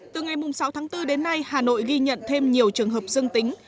từ ngày sáu tháng bốn đến nay hà nội ghi nhận thêm nhiều trường hợp dương tính